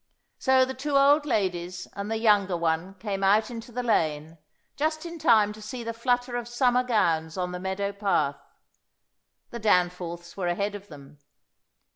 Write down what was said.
So the two old ladies and the younger one came out into the lane, just in time to see the flutter of summer gowns on the meadow path. The Danforths were ahead of them.